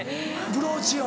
ブローチを。